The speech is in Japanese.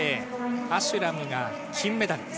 アシュラムが金メダル。